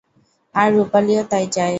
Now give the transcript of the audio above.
আর, রূপালিও তাই চায়।